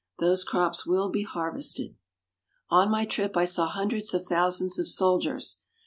Those crops will be harvested. On my trip, I saw hundreds of thousands of soldiers.